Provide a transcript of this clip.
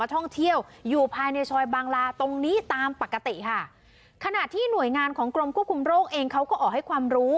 ท่องเที่ยวอยู่ภายในซอยบางลาตรงนี้ตามปกติค่ะขณะที่หน่วยงานของกรมควบคุมโรคเองเขาก็ออกให้ความรู้